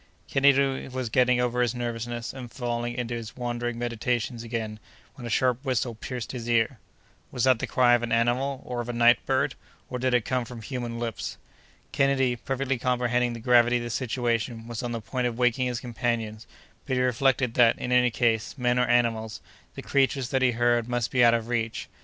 Kennedy was getting over his nervousness and falling into his wandering meditations again, when a sharp whistle pierced his ear. Was that the cry of an animal or of a night bird, or did it come from human lips? Kennedy, perfectly comprehending the gravity of the situation, was on the point of waking his companions, but he reflected that, in any case, men or animals, the creatures that he had heard must be out of reach.